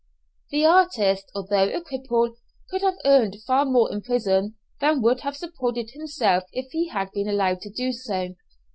The artist, although a cripple, could have earned far more in prison than would have supported himself if he had been allowed to do so.